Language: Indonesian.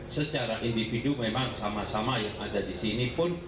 secara individu memang sama sama yang ada di sini pun